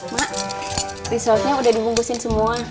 mak risotnya udah dihunggusin semua